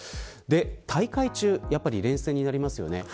大会中はやっぱり冷静になりますよね。